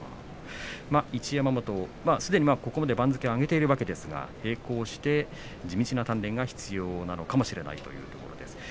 一山本、すでにここまで番付を上げているわけですが並行して地道な鍛錬が必要なのかもしれないというところです。